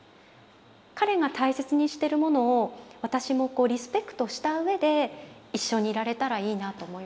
彼が大切にしてるものを私もリスペクトしたうえで一緒にいられたらいいなと思います。